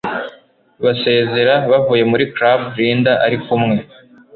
basezera, yavuye muri club, linda arikumwe